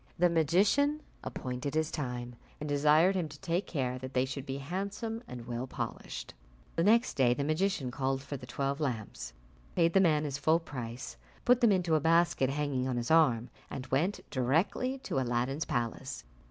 The magician appointed his time, and desired him to take care that they should be handsome and well polished. The next day the magician called for the twelve lamps, paid the man his full price, put them into a basket hanging on his arm, and went directly to Aladdin's palace.